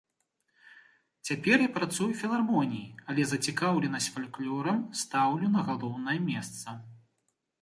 Цяпер я працую ў філармоніі, але зацікаўленасць фальклорам стаўлю на галоўнае месца.